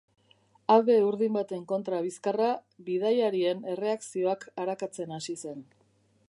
Habe urdin baten kontra bizkarra, bidaiarien erreakzioak arakatzen hasi zen.